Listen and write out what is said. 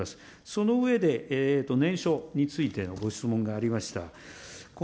その上で念書についてのご質問がありました。